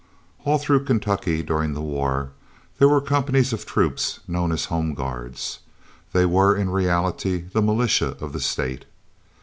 All through Kentucky during the war there were companies of troops known as Home Guards. They were in reality the militia of the state.